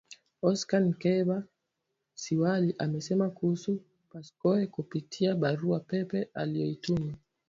Oscar Nceba Siwali amesema kuhusu Pascoe kupitia barua pepe aliyoituma